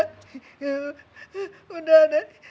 yang udah ada